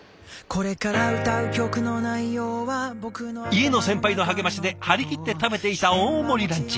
飯野先輩の励ましで張り切って食べていた大盛りランチ。